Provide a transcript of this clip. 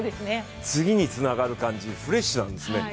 次につながる感じ、フレッシュなんですね。